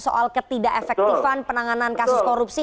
soal ketidak efektifan penanganan kasus korupsi